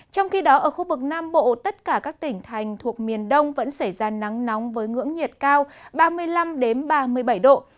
trong khi đó ở khu vực nam bộ tất cả các tỉnh thành thuộc miền đông vẫn xảy ra nắng nóng với ngưỡng nhiệt cao ba mươi năm ba mươi bảy độ